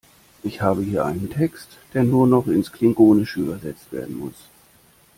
Ich habe hier einen Text, der nur noch ins Klingonische übersetzt werden muss.